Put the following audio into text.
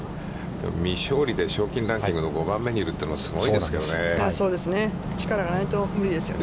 未勝利で賞金ランキングの５番目にいるのって、すごいですけどね。